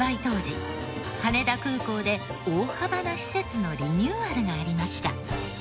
当時羽田空港で大幅な施設のリニューアルがありました。